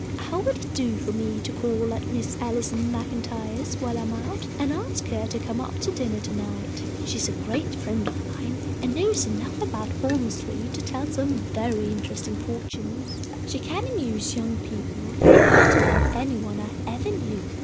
How would it do for me to call at Miss Allison MacIntyre's while I am out, and ask her to come up to dinner to night? She is a great friend of mine and knows enough about palmistry to tell some very interesting fortunes. She can amuse young people better than any one I ever knew.